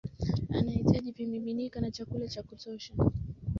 anahitaji vimiminika na chakula cha kutosha